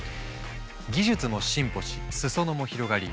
技術も進歩し裾野も広がり